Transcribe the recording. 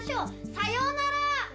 さようなら。